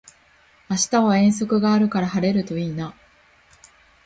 明日は遠足があるから晴れるといいな